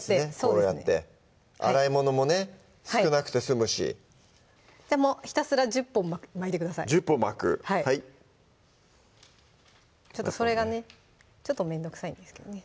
こうやって洗い物もね少なくて済むしじゃあもうひたすら１０本巻いてください１０本巻くはいちょっとそれがねちょっとめんどくさいんですけどね